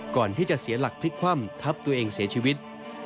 ก่อนที่จะเสียหลักพลิกคว่ำทับตัวเองเสียชีวิต